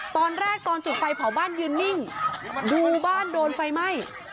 ตอนแรกตอนจุดไฟเผาบ้านยืนนิ่งดูบ้านโดนไฟไหม้